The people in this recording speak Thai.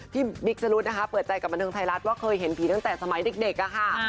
บิ๊กสรุธนะคะเปิดใจกับบันเทิงไทยรัฐว่าเคยเห็นผีตั้งแต่สมัยเด็กค่ะ